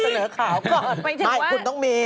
ไม่คุณต้องมี